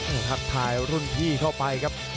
ครับท้ายรุ่นพี่เข้าไปครับ